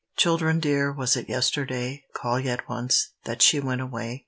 Children dear, was it yesterday (Call yet once) that she went away?